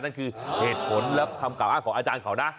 นั่นคือเหตุผลและคำกล่าวอ้างของอาจารย์เขานะ